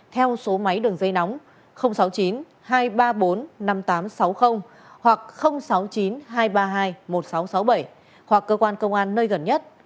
theo số máy đường dây nóng sáu mươi chín hai trăm ba mươi bốn năm nghìn tám trăm sáu mươi hoặc sáu mươi chín hai trăm ba mươi hai một nghìn sáu trăm sáu mươi bảy hoặc cơ quan công an nơi gần nhất